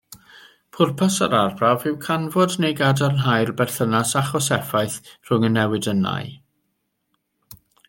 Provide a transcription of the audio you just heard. Pwrpas yr arbrawf yw canfod neu gadarnhau'r berthynas achos-effaith rhwng y newidynnau.